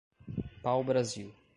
Pau Brasil